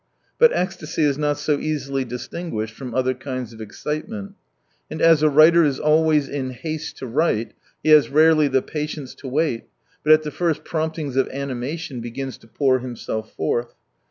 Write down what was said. But ecstasy is not so easily distinguished from other kinds of excitement. And as a writer is always in haste to write, he has rarely the patience to wait, but at the first promptings of animation begins to pour himself forth.